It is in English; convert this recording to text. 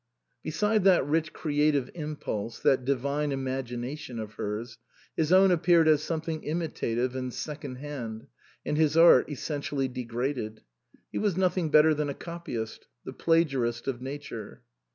Beside that rich creative impulse, that divine imagination of hers, his own appeared as some thing imitative and secondhand, and his art essentially degraded. He was nothing better than a copyist, the plagiarist of nature.